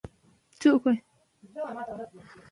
د نالوستو يا عامو وګړو لخوا رامنځته کيږي.